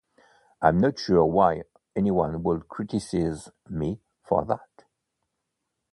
I'm not sure why anyone would criticise me for that.